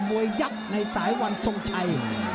ยักษ์ในสายวันทรงชัย